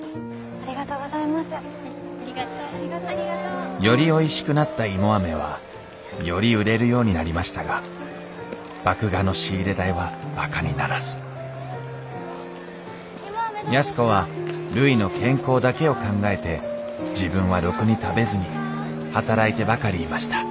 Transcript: ありがとう。よりおいしくなった芋アメはより売れるようになりましたが麦芽の仕入れ代はばかにならず安子はるいの健康だけを考えて自分はろくに食べずに働いてばかりいました・